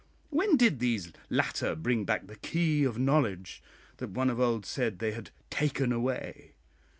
When did these latter bring back 'the key of knowledge,' that one of old said they had 'taken away?'